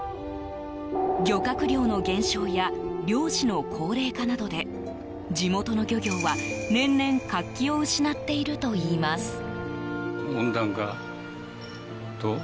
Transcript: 漁獲量の減少や漁師の高齢化などで地元の漁業は、年々活気を失っているといいます。